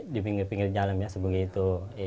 di pinggir pinggir jalan ya sebegitu